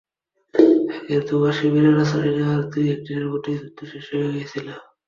আগের দুবার শিবিরে আশ্রয় নেওয়ার দু-এক দিনের মধ্যেই যুদ্ধ শেষ হয়ে গিয়েছিল।